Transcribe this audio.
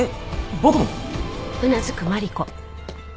僕も？